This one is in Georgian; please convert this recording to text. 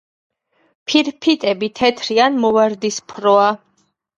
ფირფიტები თეთრი ან მოვარდისფროა.